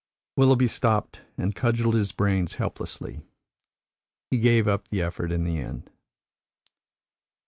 Willoughby stopped and cudgelled his brains helplessly. He gave up the effort in the end.